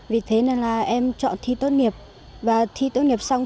vì thế nên là em chọn thi tốt nghiệp và thi tốt nghiệp xong